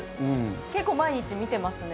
結構、毎日見てますね。